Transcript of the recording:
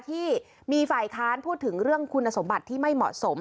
ที่มีฝ่ายค้านพูดถึงเรื่องคุณสมบัติที่ไม่เหมาะสม